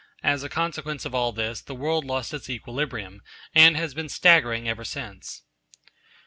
As a consequence of all this, the world lost its equilibrium, and has been staggering ever since.